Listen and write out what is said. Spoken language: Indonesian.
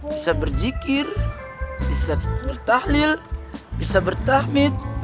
bisa berjikir bisa bertahlil bisa bertahmid